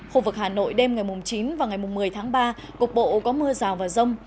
khu vực hà nội đêm ngày chín và ngày một mươi tháng ba cục bộ có mưa rào và rông